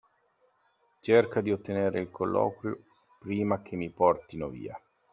Cerca di ottenere il colloquio prima che mi portino via.